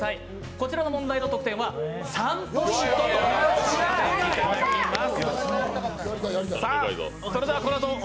こちらの問題の得点は３ポイントとなります。